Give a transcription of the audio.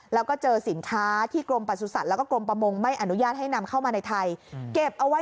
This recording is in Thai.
แล้วก็เจอสินค้าที่กรมประสุทธิ์แล้วก็กรมประมงไม่อนุญาตให้นำเข้ามาในไทยเก็บเอาไว้